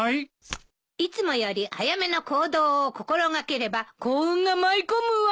いつもより早めの行動を心掛ければ幸運が舞い込むわ！